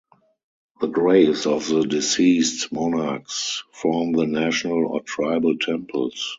The graves of the deceased monarchs form the national or tribal temples.